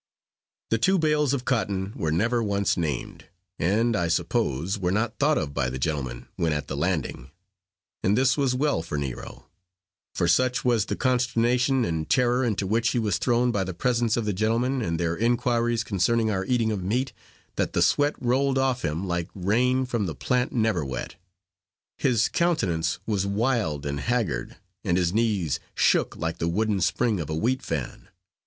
The two bales of cotton were never once named, and, I suppose, were not thought of by the gentlemen, when at the landing; and this was well for Nero; for such was the consternation and terror into which he was thrown by the presence of the gentlemen, and their inquiries concerning our eating of meat, that the sweat rolled off him like rain from the plant neverwet; his countenance was wild and haggard, and his knees shook like the wooden spring of a wheat fan.